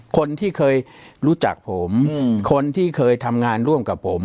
คนที่เคยรู้จักผมคนที่เคยทำงานร่วมกับผม